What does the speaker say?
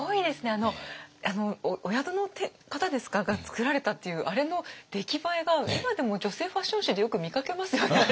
あのお宿の方が作られたっていうあれの出来栄えが今でも女性ファッション誌でよく見かけますよねあれ。